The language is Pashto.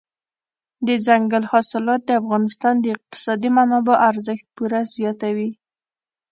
دځنګل حاصلات د افغانستان د اقتصادي منابعو ارزښت پوره زیاتوي.